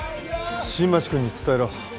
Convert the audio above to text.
新町くんに伝えろ